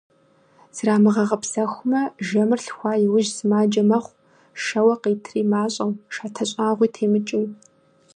Зрамыгъэгъэпсэхумэ, жэмыр лъхуа иужь сымаджэ мэхъу - шэуэ къитри мащӀэу, шатэ щӀагъуи темыкӀыу.